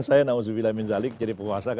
saya mau jadi perwasa